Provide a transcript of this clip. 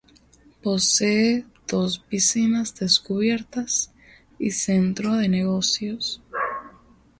Posee dos piscinas descubiertas y centro de negocios.